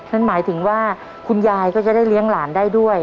นั่นหมายถึงว่าคุณยายก็จะได้เลี้ยงหลานได้ด้วย